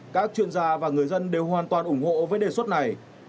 các chuyên gia và người dân đều hoàn toàn ủng hộ với đề xuất này